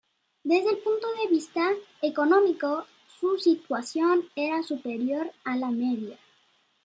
Desde el punto de vista económico, su situación era superior a la media.